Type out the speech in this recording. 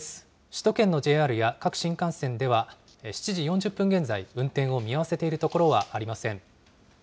首都圏のＪＲや各新幹線では、７時４０分現在、運転を見合わせている所はありません。